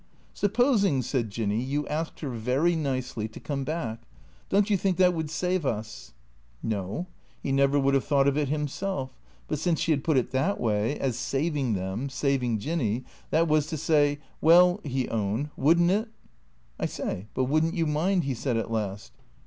" Supposing," said Jinny, " you asked her, very nicely, to come back — don't you think that would save us ?" No; he never would have thought of it himself; but since she had put it that way, as saving them, saving Jinny, that was to say ; well, he owned, would n't it ?" I say, but would n't you mind ?" he said at last.